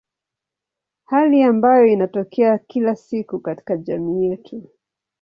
Hali ambayo inatokea kila siku katika jamii yetu.